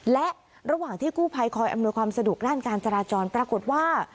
และระหว่างที่กู้ภัยคอยอำนวยความสะดวกด้านการจราจรปรากฏว่า